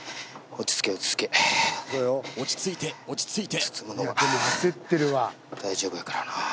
落ち着いて落ち着いて。